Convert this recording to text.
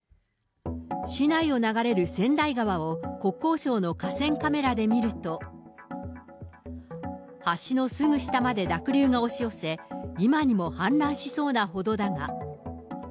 市内を流れる千代川を、国交省の河川カメラで見ると、橋のすぐ下まで濁流が押し寄せ、今にも氾濫しそうなほどだが。